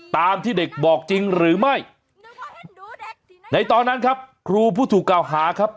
ตามที่เด็กบอกจริงหรือไม่ในตอนนั้นครับครูผู้ถูกกล่าวหาครับ